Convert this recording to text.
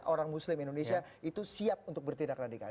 orang muslim indonesia itu siap untuk bertindak radikal